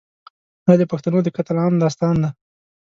دا د پښتنو د قتل عام داستان دی.